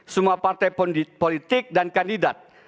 semua partai politik dan kandidat